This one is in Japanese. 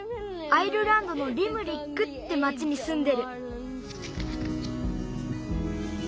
アイルランドのリムリックって町にすんでる。